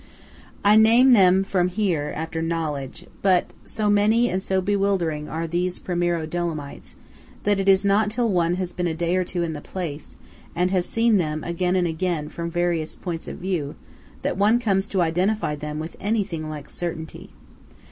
I name them here from after knowledge; but, so many and so bewildering are these Primiero Dolomites, that it is not till one has been a day or two in the place, and has seen them again and again from various points of view, that one comes to identify them with anything like certainty.